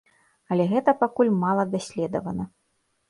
Але гэта пакуль мала даследавана.